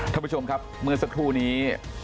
ท่านผู้ชมครับเมื่อสักครู่นี้